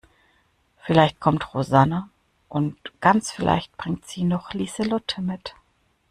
Vielleicht kommt Rosanna und ganz vielleicht bringt sie noch Lieselotte mit.